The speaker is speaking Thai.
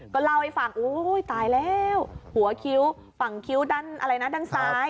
ก็เล่าให้ฟังอุ้ยตายแล้วหัวคิ้วฝั่งคิ้วด้านอะไรนะด้านซ้าย